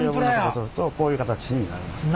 こういう形になります。